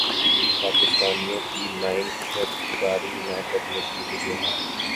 پاکستانیوں کی لائن خریداری نہ کرنے کی وجوہات